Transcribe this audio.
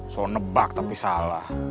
soal nebak tapi salah